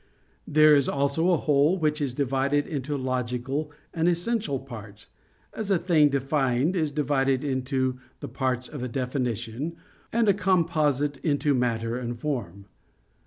There is also a whole which is divided into logical and essential parts: as a thing defined is divided into the parts of a definition, and a composite into matter and form.